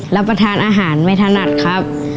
รับประทานอาหารไม่ถนัดครับ